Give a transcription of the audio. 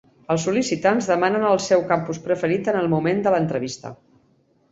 Els sol·licitants demanen el seu campus preferit en el moment de l'entrevista.